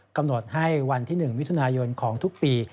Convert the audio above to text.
กำหนดให้วันที่๑มิถุนายนของทุกปี